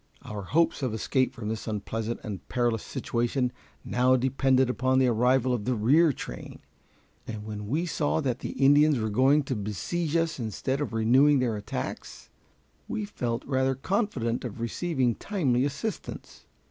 Our hopes of escape from this unpleasant and perilous situation now depended upon the arrival of the rear train, and when we saw that the Indians were going to besiege us instead of renewing their attacks, we felt rather confident of receiving timely assistance.